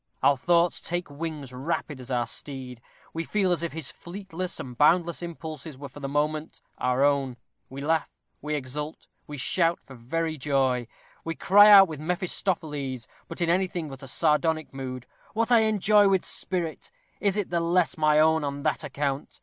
Our thoughts take wings rapid as our steed. We feel as if his fleetness and boundless impulses were for the moment our own. We laugh; we exult; we shout for very joy. We cry out with Mephistopheles, but in anything but a sardonic mood, "What I enjoy with spirit, is it the less my own on that account?